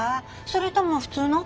それとも普通の？